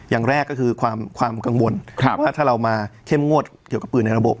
อย่างแรกก็คือความกังวลว่าถ้าเรามาเข้มงวดเกี่ยวกับปืนในระบบ